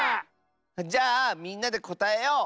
じゃあみんなでこたえよう！